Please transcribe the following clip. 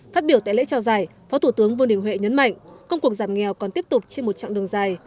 phát biểu tại lễ trao giải phó thủ tướng vương đình huệ nhấn mạnh công cuộc giảm nghèo còn tiếp tục trên một chặng đường dài